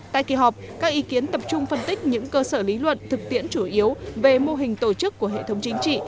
tại kỳ họp các ý kiến tập trung phân tích những cơ sở lý luận thực tiễn chủ yếu về mô hình tổ chức của hệ thống chính trị